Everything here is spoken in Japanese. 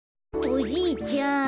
おじいちゃん